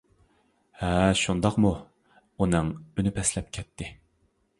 -ھە، شۇنداقمۇ؟ -ئۇنىڭ ئۈنى پەسلەپ كەتتى.